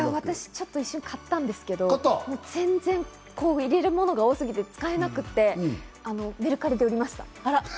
一瞬買ったんですけど、入れるものが多すぎて使えなくて、メルカリで売りました。